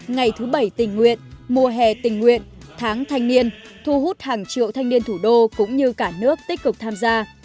ngày thứ bảy tình nguyện mùa hè tình nguyện tháng thanh niên thu hút hàng triệu thanh niên thủ đô cũng như cả nước tích cực tham gia